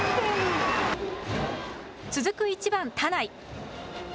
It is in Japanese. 続く１番・田内。